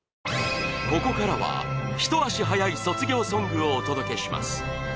ここからは一足早い卒業ソングをお届けします。